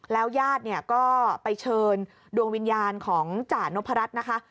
แล้วย่าดก็ไปเชิญดวงวิญญาณของจ่านกพรรัชนะคะ